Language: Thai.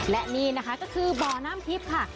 และนี่นะคะก็คือบ่อน้ำทิพย์ค่ะ